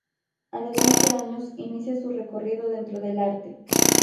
A los veinte años inicia su recorrido dentro del arte.